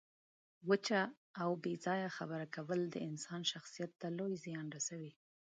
وچه او بې ځایه خبره کول د انسان شخصیت ته لوی زیان رسوي.